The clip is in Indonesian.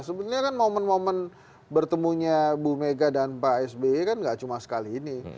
sebetulnya kan momen momen bertemunya bu mega dan pak sby kan nggak cuma sekali ini